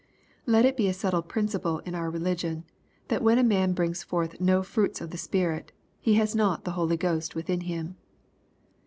Let it be a settled principle in our religion that when a man brings forth no fruits of the Spirit, he has not the Holy Ghost within him.